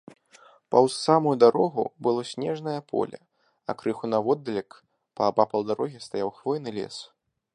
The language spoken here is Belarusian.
Паўз самую дарогу было снежнае поле, а крыху наводдалек, паабапал дарогі, стаяў хвойны лес.